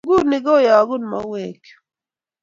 ng'oni keyokun mauwek chu